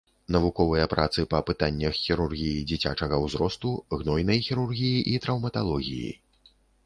Навуковыя працы па пытаннях хірургіі дзіцячага ўзросту, гнойнай хірургіі і траўматалогіі.